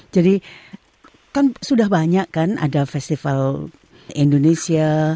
jadi kan sudah banyak kan ada festival indonesia